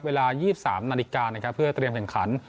เวลา๒๓นาฬิกานะครับเพื่อเตรียมแข่งขัน